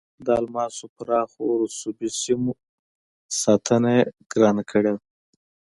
د الماسو پراخو رسوبي سیمو ساتنه یې ګرانه کړې وه.